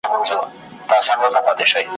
مدرسې به وي تړلي ورلوېدلي وي قلفونه ,